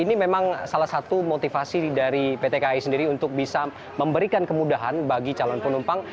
ini memang salah satu motivasi dari pt kai sendiri untuk bisa memberikan kemudahan bagi calon penumpang